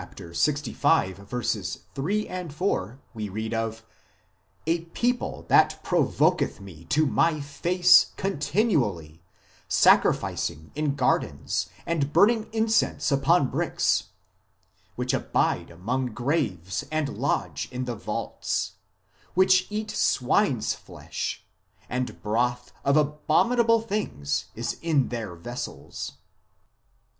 Ixv. 3, 4, we read of " a people that provoketh Me to My face continually, sacrificing in gardens, and burning incense upon bricks ; which abide among the graves and lodge in the vaults ; which eat swine s flesh, and broth of abominable things is in their vessels."